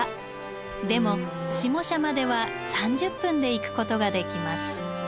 でも下社までは３０分で行くことができます。